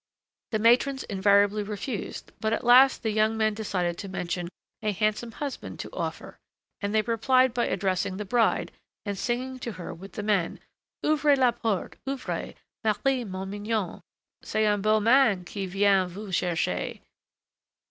The matrons invariably refused; but at last the young men decided to mention a handsome husband to offer, and they replied by addressing the bride, and singing to her with the men: "Ouvrez la porte, ouvrez, Marie, ma mignonne, C'est un beau man qui vient vous chercher.